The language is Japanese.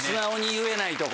言えないとこ。